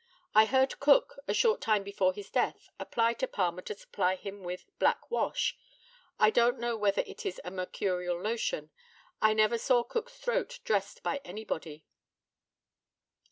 I heard Cook, a short time before his death, apply to Palmer to supply him with "black wash." I don't know whether it is a mercurial lotion. I never saw Cook's throat dressed by anybody.